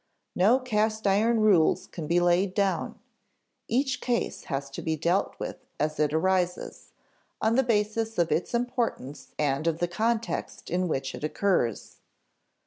No cast iron rules can be laid down. Each case has to be dealt with as it arises, on the basis of its importance and of the context in which it occurs.